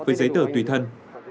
với giấy tờ tùy thân